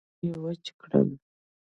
لاسونه مې وچ کړل.